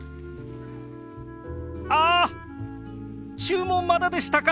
あ注文まだでしたか！